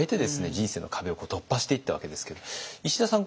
人生の壁を突破していったわけですけど石田さん